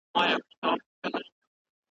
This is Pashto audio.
یو ګړی یې خپل کورګی او ځنګل هېر کړ `